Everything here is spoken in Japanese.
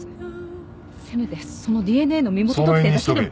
せめてそのＤＮＡの身元特定だけでも。